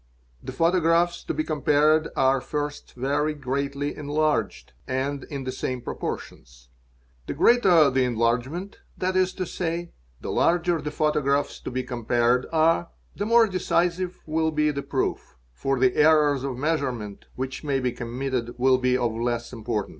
a The photographs to be compared are first very greatly enlarged ai in the same proportions. The greater the enlargement, that is to sa GEOMETRICAL IDENTIFICATION 289 the larger the photographs to be compared are, the more decisive will be the proof; for the errors of measurement which may be committed will be of less importance.